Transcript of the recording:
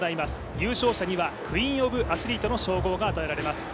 優勝者にはクイーンオブアスリートの称号が与えられます。